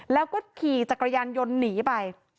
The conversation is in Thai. แล้วก็ขี่จักรยานยนต์หนีไป